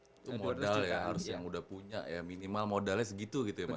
itu modal ya harus yang udah punya ya minimal modalnya segitu gitu ya mas